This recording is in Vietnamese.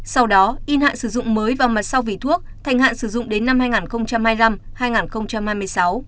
sau đó in hạn sử dụng mới vào mặt sau vỉ thuốc thành hạn sử dụng đến năm hai nghìn hai mươi năm hai nghìn hai mươi sáu